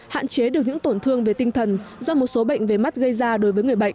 hạn chế được những tổn thương về tinh thần do một số bệnh về mắt gây ra đối với người bệnh